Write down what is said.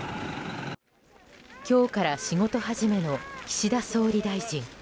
今日から仕事始めの岸田総理大臣。